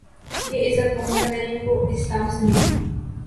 یہ عزت Muhammad Ali کو اسلام سے ملی